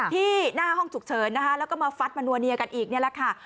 ที่หน้าห้องฉุกเฉินนะคะแล้วก็มาฟัดมานัวเนียกันอีกนี่แหละค่ะ